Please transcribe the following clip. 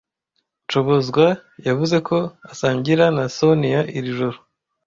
Shobonzwa yavuze ko asangira na Soniya iri joro.